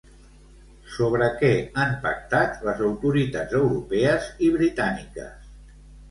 Sobre què han pactat les autoritats europees i britàniques?